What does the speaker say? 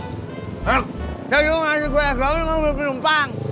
eh kamu kasih gue es gaun kamu beli minum pang